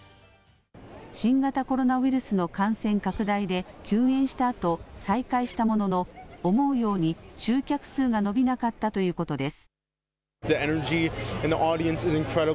新型コロナウイルスの感染拡大で休演したあと再開したものの思うように集客数が伸びなかったということです。